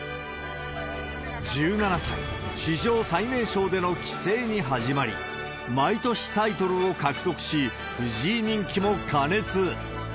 １７歳、史上最年少での棋聖に始まり、毎年タイトルを獲得し、藤井人気も過熱。